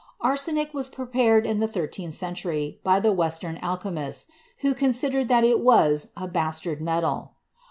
Arsenic was prepared in the thirteenth century by the Western alchemists, who considered that it was a "bastard metal."